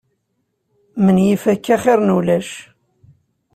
Menyif akka xir n ulac.